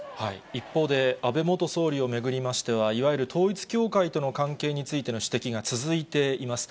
一方で、安倍元総理を巡りましては、いわゆる統一教会との関係についての指摘が続いています。